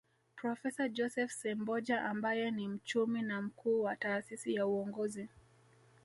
Profesa Joseph Semboja ambaye ni mchumi na mkuu wa Taasisi ya Uongozi